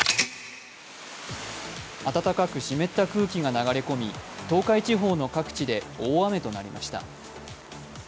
温かく湿った空気が流れ込み東海地方の各地で大雨となりました。